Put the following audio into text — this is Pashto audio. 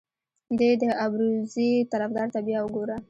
دې د ابروزي طرفدار ته بیا وګوره.